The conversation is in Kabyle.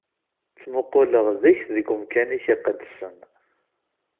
Ttmuquleɣ deg-k deg umkan-ik iqedsen.